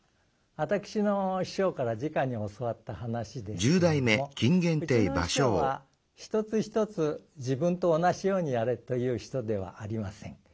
私の師匠からじかに教わった噺ですけれどもうちの師匠は一つ一つ自分と同じようにやれという人ではありません。